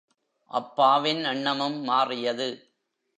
அப்பாவின் எண்ணமும் மாறியது.